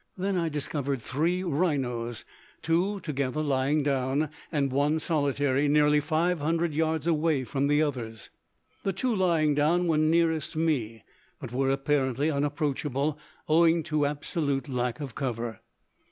Then I discovered three rhinos; two together lying down, and one solitary, nearly 500 yards away from the others. The two lying down were nearest me, but were apparently unapproachable, owing to absolute lack of cover.